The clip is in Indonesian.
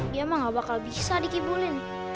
dia mah gak bakal bisa dikibulin